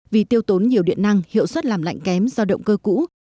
vì tiêu tốn nhiều điện năng hiệu suất làm lạnh kém do động cơ cũ